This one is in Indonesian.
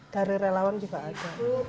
dari relawan juga ada